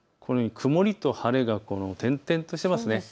曇りと晴れが点々としていますね。